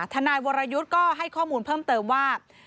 ทนายวรยุทธ์ก็ให้ข้อมูลเพิ่มเติมว่า